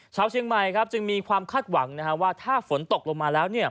เช้าเชียงใหม่จึงมีความคาดหวังว่าถ้าฝนตกลงมาแล้ว